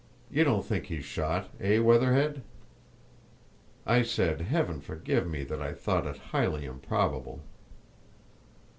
You don't think he's shot, eh, Weatherhead?" I said—Heaven forgive me!—that I thought it highly improbable.